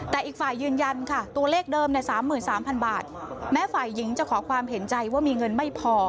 แต่อีกฝ่ายยืนยันค่ะตัวเลขเดิม๓๓๐๐บาทแม้ฝ่ายหญิงจะขอความเห็นใจว่ามีเงินไม่พอ